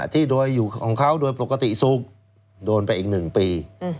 ที่โดยอยู่ของเขาโดยปกติสุขโดนไปอีก๑ปี